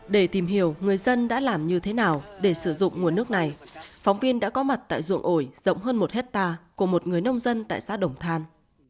để tìm hiểu người dân đã làm như thế nào để sử dụng nguồn nước này phóng viên đã có mặt tại ruộng ổi rộng hơn một hectare của một người nông dân tại xã đồng than